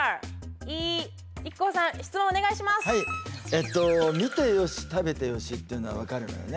えっと見て良し食べて良しっていうのは分かるのよね。